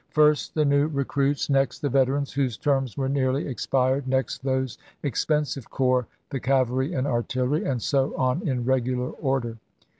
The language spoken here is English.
First the new recruits, next the veterans whose terms were nearly expired, next those expensive corps the cavalry and artillery, and so on in regular order.